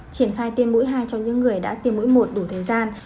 triển khai tiêm mũi hai cho những người đã tiêm mũi một đủ thời gian